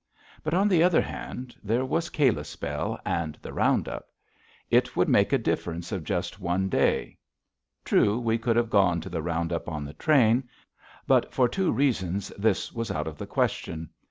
But, on the other hand, there was Kalispell and the round up. It would make a difference of just one day. True, we could have gone to the round up on the train. But, for two reasons, this was out of the question.